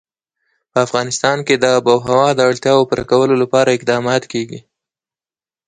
په افغانستان کې د آب وهوا د اړتیاوو پوره کولو لپاره اقدامات کېږي.